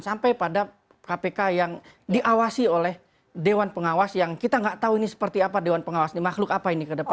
sampai pada kpk yang diawasi oleh dewan pengawas yang kita nggak tahu ini seperti apa dewan pengawas ini makhluk apa ini ke depan